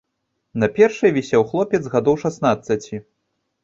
На першай вісеў хлопец гадоў шаснаццаці.